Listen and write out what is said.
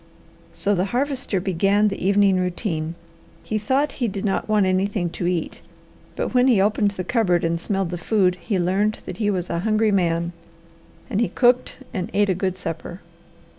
So the Harvester began the evening routine. He thought he did not want anything to eat, but when he opened the cupboard and smelled the food he learned that he was a hungry man and he cooked and ate a good supper.